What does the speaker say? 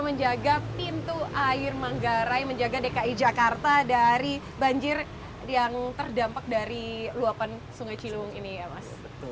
menjaga pintu air manggarai menjaga dki jakarta dari banjir yang terdampak dari luapan sungai ciliwung ini ya mas